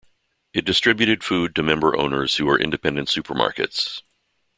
It distributed food to member owners who are independent supermarkets.